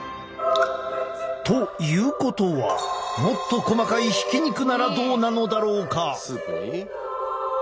ということはもっと細かいひき肉ならどうなのだろうか？